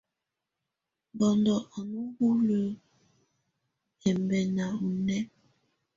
Bɔndɔ á nɔ̀ hulǝ́ ɛmbɛna ɔnɛ̀á.